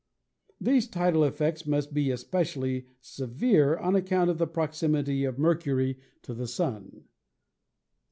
These tidal effects must be especially se vere on account of the proximity of Mercury to the Sun.